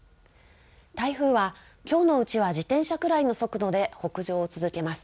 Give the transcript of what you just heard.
台風はきょうのうちは自転車くらいの速度で北上を続けます。